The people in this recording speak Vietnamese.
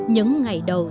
những ngày đầu